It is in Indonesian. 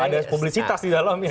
ada publisitas di dalam ya